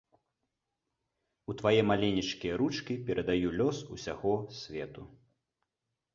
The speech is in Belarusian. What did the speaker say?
У твае маленечкія ручкі перадаю лёс усяго свету.